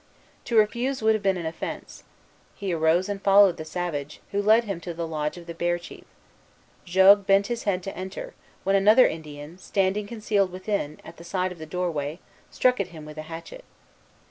To refuse would have been an offence. He arose and followed the savage, who led him to the lodge of the Bear chief. Jogues bent his head to enter, when another Indian, standing concealed within, at the side of the doorway, struck at him with a hatchet.